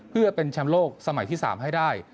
เพื่อเป็นแชมป์โลกสมัยที่๓ให้ได้